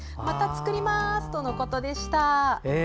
また作ります！とのことでした。